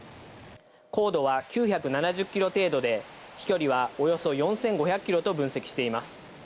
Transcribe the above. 高度は９７０キロ程度で飛距離はおよそ４５００キロと分析しています。